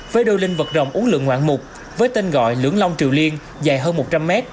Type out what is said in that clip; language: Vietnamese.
với đôi linh vật rồng uống lượng ngoạn mục với tên gọi lưỡng long triều liên dài hơn một trăm linh m